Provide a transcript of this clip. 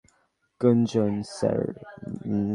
Gunjan - sir!